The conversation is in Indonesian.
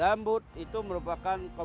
gambut itu merupakan kondisi yang sangat penting